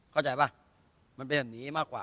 เข้าใจป่ะมันเป็นแบบนี้มากกว่า